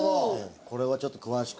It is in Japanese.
これはちょっと詳しく。